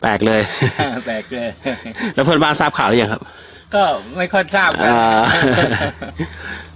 แปลกเลยแล้วเพื่อนบ้านทราบข่าวหรือยังครับก็ไม่ค่อยทราบครับ